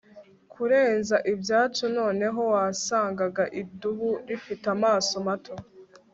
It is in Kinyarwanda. Kurenza ibyacu noneho wasangaga idubu rifite amaso mato